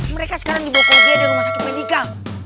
mereka sekarang dibawa ke ug dari rumah sakit pendidikan